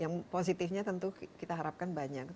dan positifnya tentu kita harapkan banyak